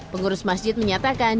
pengurus masjid menyatakan